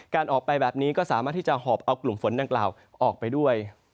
การออกไปแบบนี้ก็สามารถที่จะหอบเอากลุ่มฝนดังกล่าวออกไปด้วย